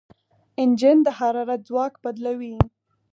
انجن د حرارت ځواک بدلوي.